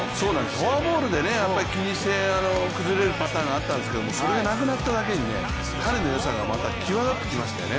フォアボールでね気にして崩れるパターンがあったんですけど、それがなくなっただけに、彼の良さがまた際立ってきましたよね。